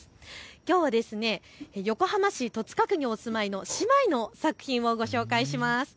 きょうは横浜市戸塚区にお住まいの姉妹の作品を紹介します。